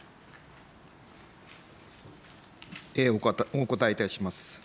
お答えいたします。